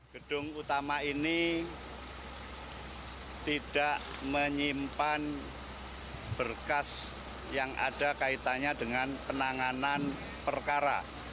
gedung utama ini tidak menyimpan berkas yang ada kaitannya dengan penanganan perkara